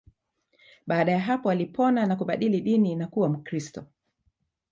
Baada ya hapo alipona na kubadili dini na kuwa Mkristo